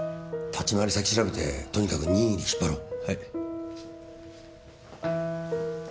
立ち回り先調べてとにかく任意で引っ張ろう。